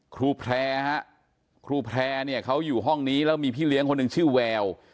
ครูแพร่ฮะครูแพร่เนี่ยเขาอยู่ห้องนี้แล้วมีพี่เลี้ยงคนหนึ่งชื่อแวว